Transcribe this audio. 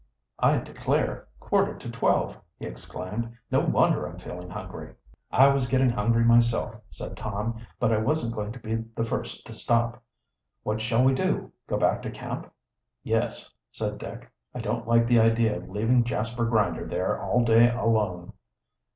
"I declare! Quarter to twelve!" he exclaimed. "No wonder I'm feeling hungry." "I was getting hungry myself," said Tom "But I wasn't going to be the first to stop. What shall we do go back to camp?" "Yes," said Dick. "I don't like the idea of leaving Jasper Grinder there all day alone."